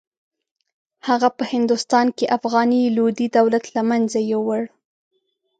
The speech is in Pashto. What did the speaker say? هغه په هندوستان کې افغاني لودي دولت له منځه یووړ.